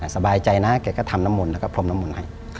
สบายใจนะแกก็ทำน้ำมนต์แล้วก็พรมน้ำมนต์ให้